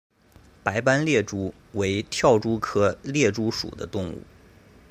白斑猎蛛为跳蛛科猎蛛属的动物。